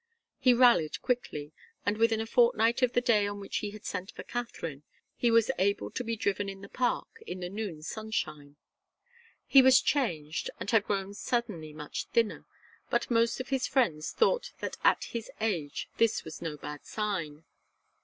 He rallied quickly, and within a fortnight of the day on which he had sent for Katharine, he was able to be driven in the Park, in the noon sunshine. He was changed, and had grown suddenly much thinner, but most of his friends thought that at his age this was no bad sign.